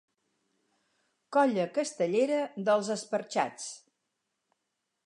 Colla Castellera dels Esperxats